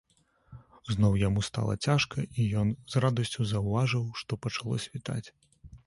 Зноў яму стала цяжка, і ён з радасцю заўважыў, што пачало світаць.